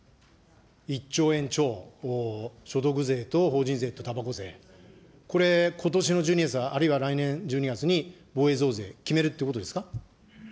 １兆円超、所得税と法人税とたばこ税、これ、ことしの１２月、あるいは来年１２月に防衛増税決めるっていうことですか。